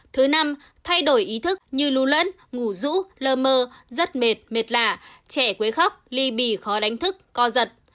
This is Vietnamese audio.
thứ năm thay đổi ý thức như lưu lẫn ngủ rũ lơ mơ rất mệt mệt lạ trẻ quấy khóc ly bì khó đánh thức co giật